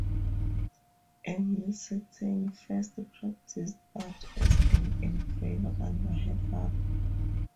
Emily Sartain first practised art as an engraver under her father.